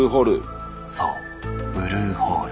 そうブルーホール。